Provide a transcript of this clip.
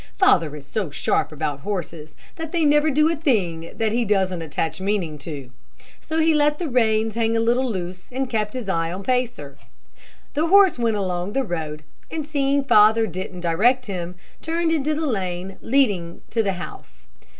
Father is so sharp about horses, that they never do a thing that he doesn't attach a meaning to. So he let the reins hang a little loose, and kept his eye on Pacer. The horse went along the road, and seeing father didn't direct him, turned into the lane leading to the house.